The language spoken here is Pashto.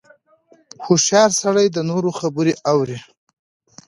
• هوښیار سړی د نورو خبرې اوري.